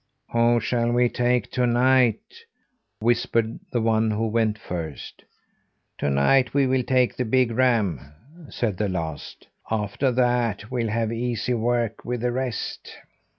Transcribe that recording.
"Who shall we take to night?" whispered the one who went first. "To night we will take the big ram," said the last. "After that, we'll have easy work with the rest."